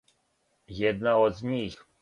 Једна од њих.